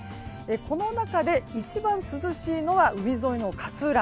この中で一番涼しいのは海沿いの勝浦。